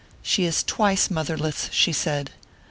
"She is twice motherless," she said.